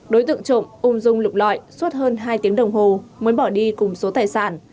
đối tượng trộm ung dung lục lọi suốt hơn hai tiếng đồng hồ mới bỏ đi cùng số tài sản